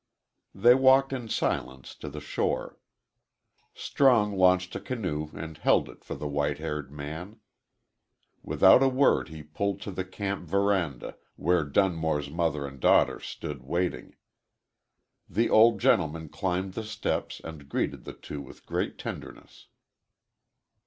They walked in silence to the shore. Strong launched a canoe and held it for the white haired man. Without a word he pulled to the camp veranda where Dunmore's mother and daughter stood waiting. The old gentleman climbed the steps and greeted the two with great tenderness.